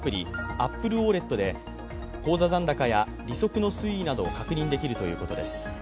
ＡｐｐｌｅＷａｌｌｅｔで口座残高や利息の推移などを確認できるということです。